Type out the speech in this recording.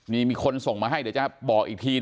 นี่มีคนส่งมาให้เดี๋ยวจะบอกอีกที